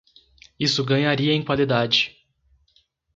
Isso ganharia em qualidade.